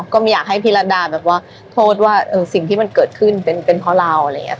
ก็ไม่อยากให้พี่ระดาแบบว่าโทษว่าสิ่งที่มันเกิดขึ้นเป็นเพราะเราอะไรอย่างนี้